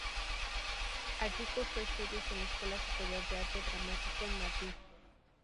Allí cursó estudios en la Escuela Superior de Arte Dramático en Madrid.